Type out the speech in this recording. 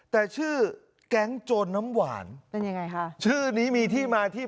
แต่ชื่อแก๊งโจรน้ำหวานเป็นยังไงคะชื่อนี้มีที่มาที่